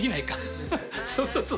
そうそうそうそう。